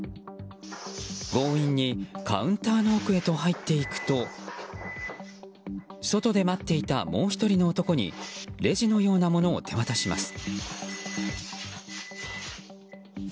強引にカウンターの奥へと入っていくと外で待っていた、もう１人の男にレジのようなものを手渡します。